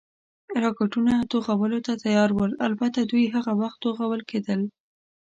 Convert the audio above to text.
راکټونه، توغولو ته تیار ول، البته دوی هغه وخت توغول کېدل.